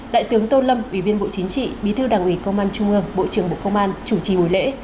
đại tướng tô lâm ủy viên bộ chính trị bí thư đảng ủy công an trung ương bộ trưởng bộ công an chủ trì buổi lễ